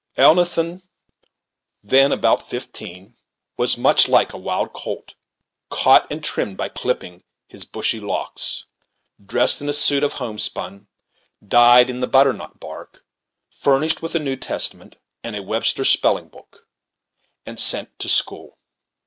Elnathan, then about fifteen, was, much like a wild colt, caught and trimmed by clipping his bushy locks; dressed in a suit of homespun, dyed in the butternut bark; furnished with a "New Testament" and a "Webster's Spelling Book," and sent to school.